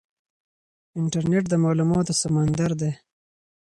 انټرنیټ د معلوماتو سمندر دی.